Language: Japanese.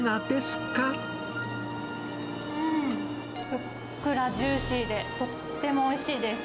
ふっくらジューシーで、とってもおいしいです。